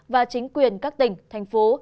và chính quyền các tỉnh thành phố